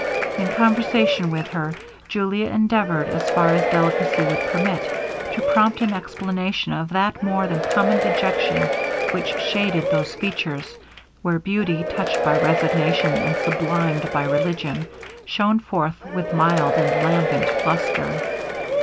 In conversation with her, Julia endeavoured, as far as delicacy would permit, to prompt an explanation of that more than common dejection which shaded those features, where beauty, touched by resignation and sublimed by religion, shone forth with mild and lambent lustre.